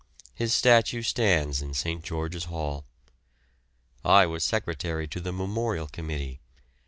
His statue stands in St. George's Hall. I was secretary to the memorial committee.